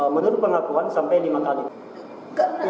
menurut pengakuan sampai lima kali